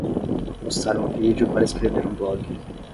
Postar um vídeo para escrever um blog